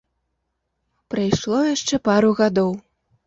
Прайшло яшчэ пару гадоў.